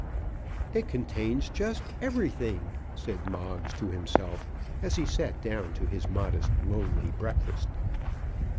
"It contains just everything," said Moggs to himself as he sat down to his modest, lonely breakfast.